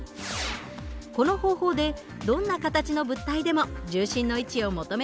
この方法でどんな形の物体でも重心の位置を求める事ができます。